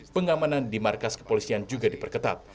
pengamanan di markas kepolisian juga diperketat